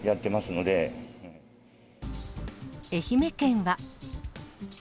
愛媛県は。